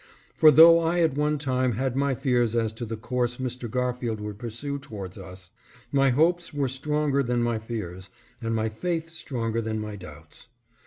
For though I at one time had my fears as to the course Mr. Garfield would pursue towards us, my hopes were stronger than my fears, and my faith stronger than my doubts.